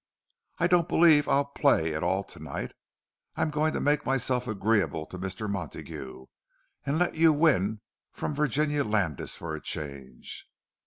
I don't believe I'll play at all to night—I'm going to make myself agreeable to Mr. Montague, and let you win from Virginia Landis for a change."